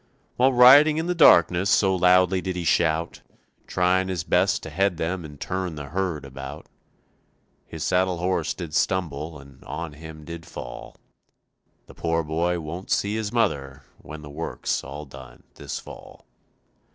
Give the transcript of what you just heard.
While riding in the darkness so loudly did he shout, Trying his best to head them and turn the herd about, His saddle horse did stumble and on him did fall, The poor boy won't see his mother when the work's all done this fall.